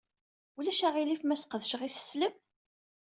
Ulac aɣilif ma sqedceɣ isislem?